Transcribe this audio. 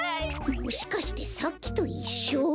もしかしてさっきといっしょ？